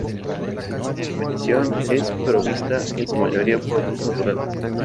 La iluminación es provista en su mayoría por luz natural.